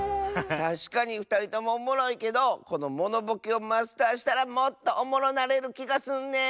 たしかにふたりともおもろいけどこのモノボケをマスターしたらもっとおもろなれるきがすんねん！